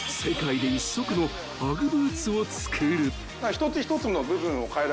一つ一つの部分を変えられるので。